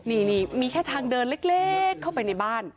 นี่มีแค่ทางเดินเล็กเข้าไปในบ้าน